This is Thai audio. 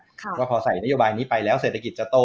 ว่าพอใส่นโยบายนี้ไปแล้วเศรษฐกิจจะโต